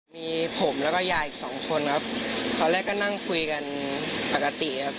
มีผมแล้วก็ยายอีกสองคนครับตอนแรกก็นั่งคุยกันปกติครับ